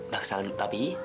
raksasa dulu tapi